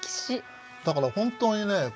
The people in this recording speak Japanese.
だから本当にね